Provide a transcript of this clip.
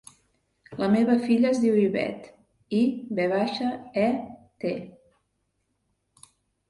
La meva filla es diu Ivet: i, ve baixa, e, te.